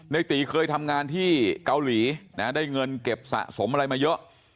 ในตีเคยทำงานที่เกาหลีนะได้เงินเก็บสะสมอะไรมาเยอะ